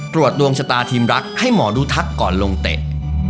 ดวงชะตาทีมรักให้หมอดูทักก่อนลงเตะ